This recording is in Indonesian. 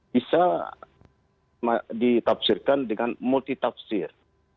bisa ditafsirkan dengan multi tafsir